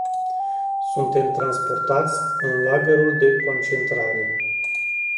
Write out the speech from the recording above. Suntem transportați în lagărul de concentrare.